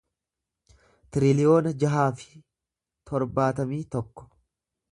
tiriliyoona jaha fi torbaatamii tokko